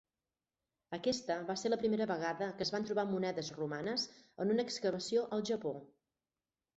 Aquesta va ser la primera vegada que es van trobar monedes romanes en una excavació al Japó.